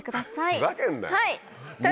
ふざけんなよ！